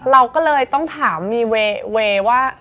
เราก็เลยต้องถามมีเวย์ว่า